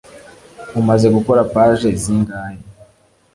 umaze gukora paje zingahe